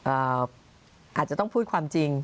อาจจะต้องพูดความจริง